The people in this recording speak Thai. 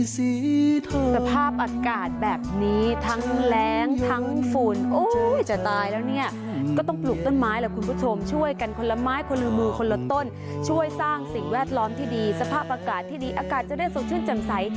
สภาพอากาศแบบนี้ทั้งแรงทั้งฝุ่นโอ้ยจะตายแล้วเนี่ยก็ต้องปลูกต้นไม้แหละคุณผู้ชมช่วยกันคนละไม้คนละมือคนละต้นช่วยสร้างสิ่งแวดล้อมที่ดีสภาพอากาศที่ดีอากาศจะได้สดชื่นจำใส